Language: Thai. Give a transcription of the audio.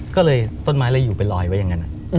ก็เลยต้นไม้เลยอยู่ไปลอยไว้อย่างนั้น